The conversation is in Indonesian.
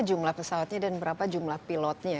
jumlah pesawatnya dan berapa jumlah pilotnya